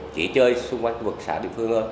chỉ chơi xung quanh vực xã địa phương hơn